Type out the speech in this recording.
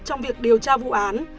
trong việc điều tra vụ án